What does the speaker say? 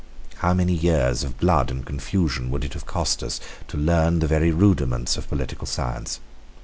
How many years of blood and confusion would it have cost us to learn the very rudiments of political science!